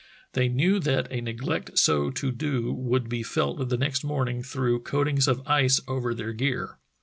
They knew that a neglect so to do would be felt the next morning through coatings of ice over their gear.